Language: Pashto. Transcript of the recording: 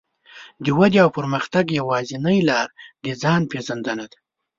د ودې او پرمختګ يوازينۍ لار د ځان پېژندنه ده.